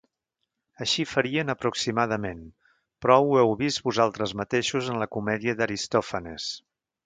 Així farien aproximadament; prou ho heu vist vosaltres mateixos en la comèdia d'Aristòfanes.